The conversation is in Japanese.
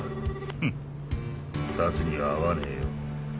フッサツには会わねえよ。